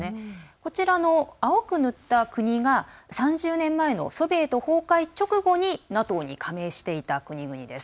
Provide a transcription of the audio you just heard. こちらの青く塗った国が３０年前のソビエト崩壊直後にＮＡＴＯに加盟していた国々です。